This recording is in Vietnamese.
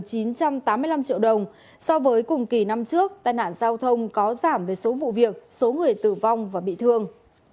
giảm chín trăm tám mươi năm triệu đồng so với cùng kỳ năm trước tai nạn giao thông có giảm về số vụ việc số người tử vong và bị thương